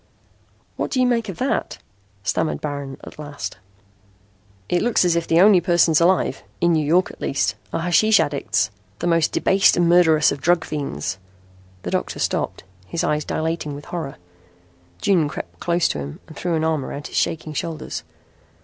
"What do you make of that?" stammered Baron at last. "It looks as if the only persons alive, in New York at least, are hashish addicts the most debased and murderous of drug fiends." The doctor stopped, his eyes dilating with horror. June crept close to him and threw an arm around his shaking shoulders.